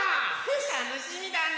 たのしみだね！